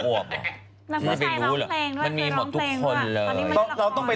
ขาวอวกหรอไม่รู้หรอกมันมีหมดทุกคนเลยนักผู้ชายร้องเพลงด้วย